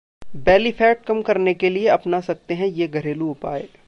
बेली fat कम करने के लिए अपना सकते हैं ये घरेलू उपाय